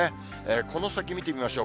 この先見てみましょう。